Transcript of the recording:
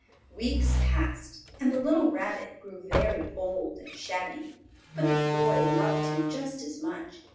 Weeks passed, and the little Rabbit grew very old and shabby, but the Boy loved him just as much.